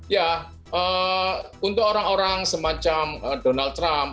ya untuk orang orang semacam donald trump